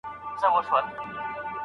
استاد کولای سي شاګرد ته غوره مشوره ورکړي.